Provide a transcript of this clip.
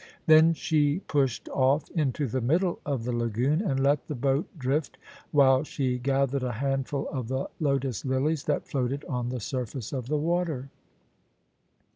Then she pushed off" into the middle of the lagoon, and let the boat drift while she gathered a handful of the lotus lilies that floated on the surface of the water.